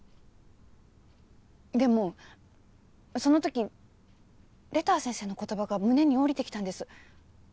でもそのときレター先生の言葉が胸に降りてきたんです。